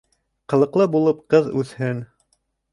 Ҡылыҡлы булып ҡыҙ үҫһен.